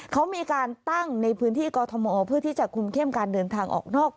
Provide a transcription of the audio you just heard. เขามีการตั้งในพื้นที่กอทมเพื่อที่จะคุมเข้มการเดินทางออกนอก